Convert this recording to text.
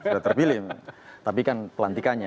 sudah terpilih tapi kan pelantikannya